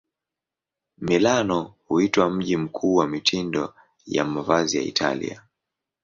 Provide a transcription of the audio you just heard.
Milano huitwa mji mkuu wa mitindo ya mavazi ya Italia.